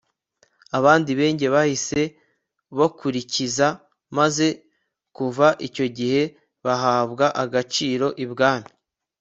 abandi benge bahise bamukurikiza maze kuva icyo gihe bahabwa agaciro ibwami